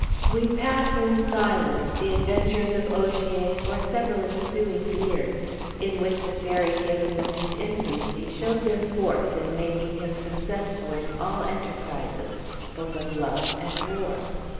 We pass in silence the adventures of Ogier for several ensuing years, in which the fairy gifts of his infancy showed their force in making him successful in all enterprises, both of love and war.